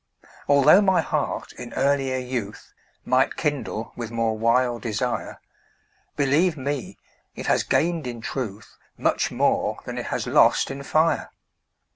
Altho' my heart in earlier youth Might kindle with more wild desire, Believe me, it has gained in truth Much more than it has lost in fire.